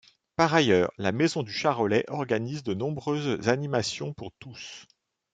Par ailleurs, la Maison du Charolais organise de nombreuses animations pour tous.